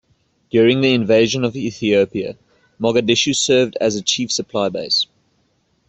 During the invasion of Ethiopia, Mogadishu served as a chief supply base.